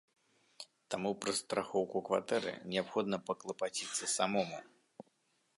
Таму пра страхоўку кватэры неабходна паклапаціцца самому.